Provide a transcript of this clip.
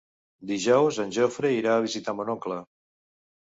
Dijous en Jofre irà a visitar mon oncle.